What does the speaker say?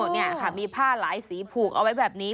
นี่ค่ะมีผ้าหลายสีผูกเอาไว้แบบนี้